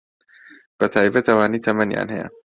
بەتایبەت ئەوانەی تەمەنیان هەیە